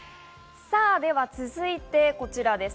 続いてこちらです。